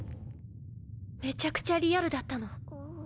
めちゃくちゃリアルだったの。